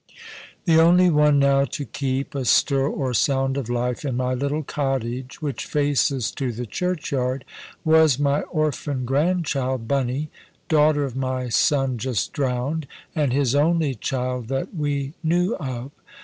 The only one now to keep a stir or sound of life in my little cottage, which faces to the churchyard, was my orphan grandchild "Bunny," daughter of my son just drowned, and his only child that we knew of.